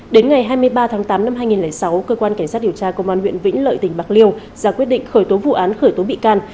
đến ngày hai mươi ba tháng tám năm hai nghìn sáu cơ quan cảnh sát điều tra công an huyện vĩnh lợi tỉnh bạc liêu ra quyết định khởi tố vụ án khởi tố bị can